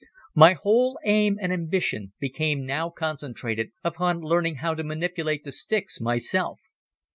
My whole aim and ambition became now concentrated upon learning how to manipulate the sticks myself.